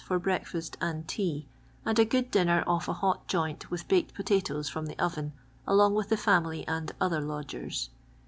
for break&st and to&, and a good dinner off a hot joint with baked potatoes from the oven, along with the family and other lodgers.